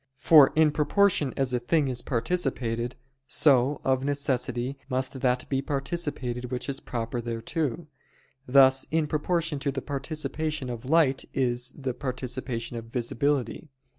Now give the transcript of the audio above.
For in proportion as a thing is participated, so, of necessity, must that be participated which is proper thereto; thus in proportion to the participation of light is the participation of visibility.